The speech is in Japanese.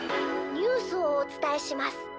「ニュースをおつたえします。